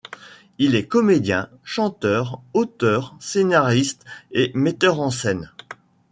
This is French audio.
Il est comédien, chanteur, auteur, scénariste et metteur en scène.